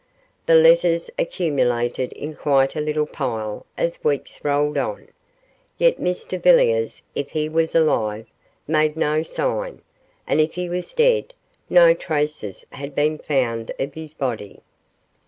The letters accumulated into quite a little pile as weeks rolled on, yet Mr Villiers, if he was alive, made no sign, and if he was dead, no traces had been found of his body.